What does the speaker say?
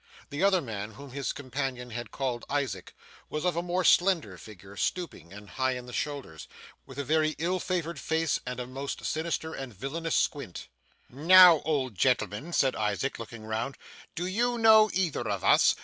The other man, whom his companion had called Isaac, was of a more slender figure stooping, and high in the shoulders with a very ill favoured face, and a most sinister and villainous squint. 'Now old gentleman,' said Isaac, looking round. 'Do you know either of us?